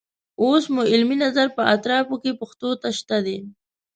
اوس مو علمي نظر په اطرافو کې پیښو ته شته دی.